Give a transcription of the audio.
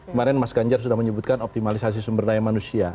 kemarin mas ganjar sudah menyebutkan optimalisasi sumber daya manusia